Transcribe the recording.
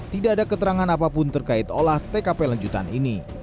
tidak ada keterangan apapun terkait olah tkp lanjutan ini